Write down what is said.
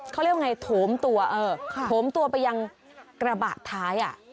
เขาเรียกว่าอย่างไรโถมตัวโถมตัวไปยังกระบะท้าย